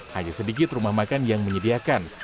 hanya sedikit rumah makan yang menyediakan